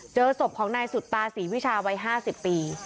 เจอศพของนายสุตาศรีวิชาวัย๕๐ปี